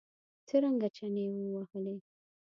څرنګه چنې ووهلې.